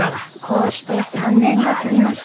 こうして３年が過ぎました。